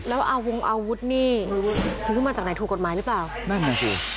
แล้ววงอาวุธคือมาจากถูกกฎหมายอะไรเปล่า